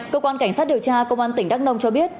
cơ quan cảnh sát điều tra công an tỉnh đắk nông cho biết